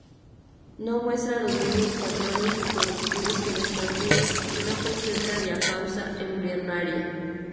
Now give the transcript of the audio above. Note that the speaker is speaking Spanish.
No muestra los mismos patrones reproductivos que los canguros, y no presenta diapausa embrionaria.